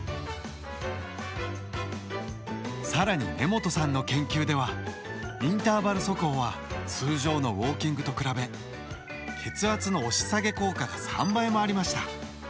更に根本さんの研究ではインターバル速歩は通常のウオーキングと比べ血圧の押し下げ効果が３倍もありました。